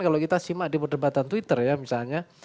kalau kita simak di perdebatan twitter ya misalnya